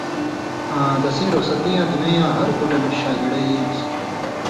آں تسیں رُخصتی اے دُنَیں یاں ہر گُٹہ نہ شاگڑہ ای یان٘س